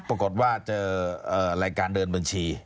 ปรากฏว่าเจอรายการเดินบัญชี